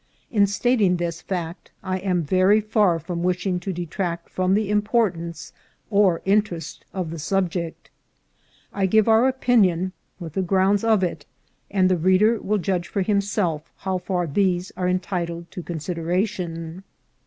In stating this fact I am very far from wishing to detract from the im portance or interest of the subject. I give our opinion, with the grounds of it, and the reader will judge for himself how far these are entitled to consideration.